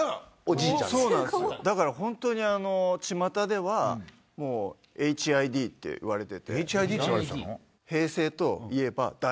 だからホントにちまたでは。って言われてて。